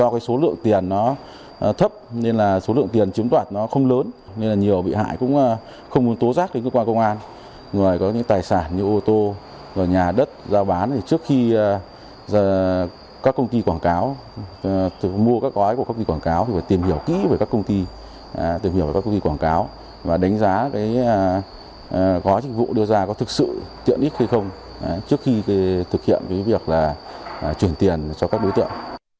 các công ty quảng cáo mua các gói của các công ty quảng cáo thì phải tìm hiểu kỹ với các công ty tìm hiểu với các công ty quảng cáo và đánh giá gói trình vụ đưa ra có thực sự tiện ích hay không trước khi thực hiện việc chuyển tiền cho các đối tượng